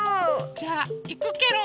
じゃあいくケロ。